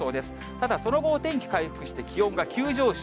ただその後、お天気回復して気温が急上昇。